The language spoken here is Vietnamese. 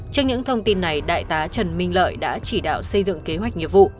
trong những thông tin này đại tá trần minh lợi đã chỉ đạo xây dựng kế hoạch nhiệm vụ